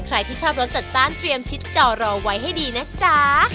ใครที่ชอบรสจัดจ้านเตรียมชิดจอรอไว้ให้ดีนะจ๊ะ